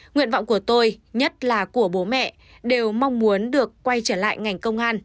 nguyện vọng của tôi nhất là của bố mẹ đều mong muốn được quay trở lại ngành công an